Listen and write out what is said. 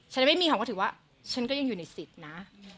ฉันไม่มีหอมก็ถือว่าฉันก็ยังอยู่ในสิทธิ์นะ